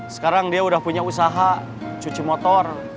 sekarang dia udah punya usaha cuci motor